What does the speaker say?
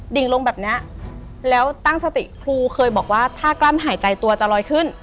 ดิ่งลงแบบเนี้ยแล้วตั้งสติครูเคยบอกว่าถ้ากลั้นหายใจตัวจะลอยขึ้น